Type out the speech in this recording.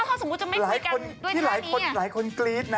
แล้วถ้าสมมติจะไม่พูดกันด้วยท่านี้หลายคนกรี๊ดนะ